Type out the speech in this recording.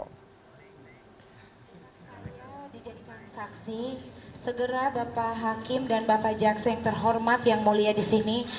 segera bapak hakim dan bapak jaksa yang terhormat yang mulia disini